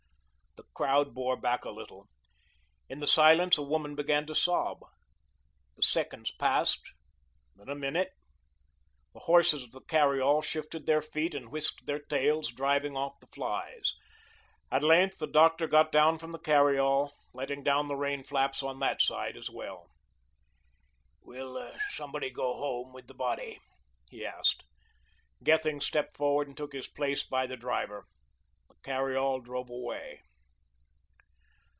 The crowd bore back a little. In the silence, a woman began to sob. The seconds passed, then a minute. The horses of the carry all shifted their feet and whisked their tails, driving off the flies. At length, the doctor got down from the carry all, letting down the rain flaps on that side as well. "Will somebody go home with the body?" he asked. Gethings stepped forward and took his place by the driver. The carry all drove away.